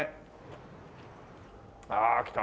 ああ来た。